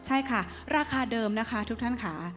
ใช่ค่ะราคาเดิมนะคะทุกท่านค่ะ